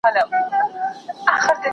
¬ هم بوره، هم بد نامه.